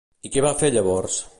I què va fer llavors?